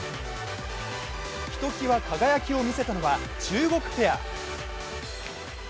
ひときわ輝きを見せたのは中国ペア。